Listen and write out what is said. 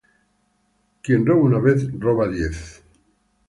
Quien roba una vez roba diez.